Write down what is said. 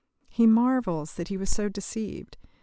He marvels that he was so deceived.